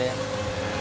へえ。